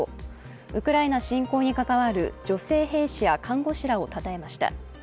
ウクライナ侵攻に関わる女性兵士や看護師らをたたえました。